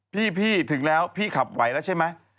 พี่ถึงแล้วพี่ขับไหวแล้วใช่ไหม